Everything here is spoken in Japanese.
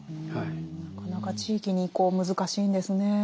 なかなか地域に移行難しいんですね。